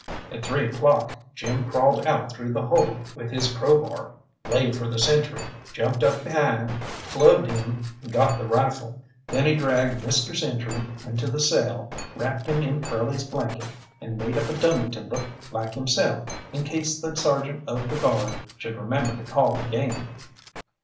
At three o'clock Jim crawled out through the hole with his crowbar, lay for the sentry, jumped up behind, clubbed him, and got the rifle. Then he dragged Mr. Sentry into the cell, wrapped him in Curly's blanket, and made up a dummy to look like himself in case the sergeant of the guard should remember to call again.